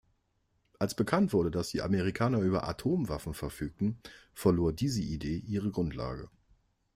Als bekannt wurde, dass die Amerikaner über Atomwaffen verfügten, verlor diese Idee ihre Grundlage.